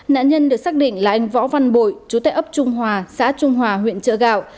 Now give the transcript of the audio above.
nạn nhân được xác định là anh võ văn bội chú tại ấp trung hòa xã trung hòa huyện trợ gạo